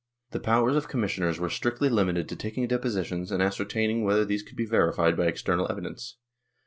The powers of commissioners were strictly limited to taking depo sitions and ascertaining whether these could be verified by external evidence.